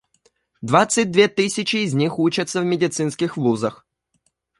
Двадцать две тысячи из них учатся в медицинских вузах.